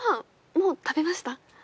もう食べました？